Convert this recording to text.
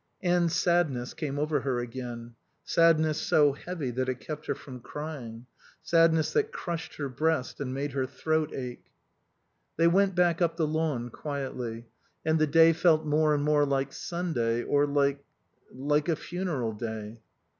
Anne's sadness came over her again; sadness so heavy that it kept her from crying; sadness that crushed her breast and made her throat ache. They went back up the lawn, quietly, and the day felt more and more like Sunday, or like like a funeral day.